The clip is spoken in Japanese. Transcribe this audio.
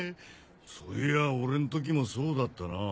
そういや俺ん時もそうだったなぁ。